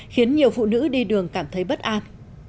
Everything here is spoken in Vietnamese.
khiến nhiều phụ nữ đi đường cảm thấy bất an